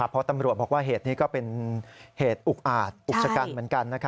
เพราะตำรวจบอกว่าเหตุนี้ก็เป็นเหตุอุกอาจอุกชะกันเหมือนกัน